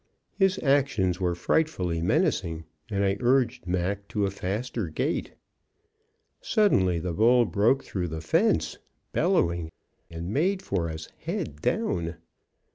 His actions were frightfully menacing, and I urged Mac to a faster gait. Suddenly the bull broke through the fence, bellowing, and made for us, head down.